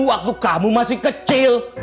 waktu kamu masih kecil